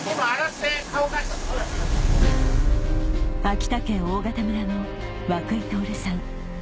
秋田県大潟村の涌井徹さん